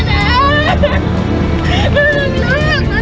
นายต้องอยู่กับแม่